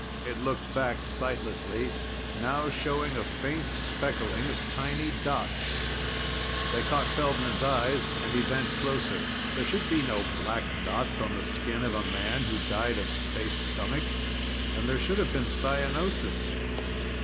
It looked back sightlessly, now showing a faint speckling of tiny dots. They caught Feldman's eyes, and he bent closer. There should be no black dots on the skin of a man who died of space stomach. And there should have been cyanosis....